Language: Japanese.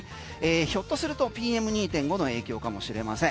ひょっとするとＰＭ２．５の影響かもしれません。